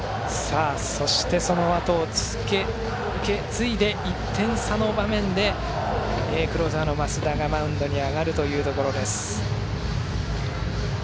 そしてそのあとを受け継いで１点差の場面でクローザーの増田がマウンドに上がるというところです。